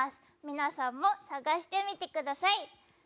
皆さんも探してみてください。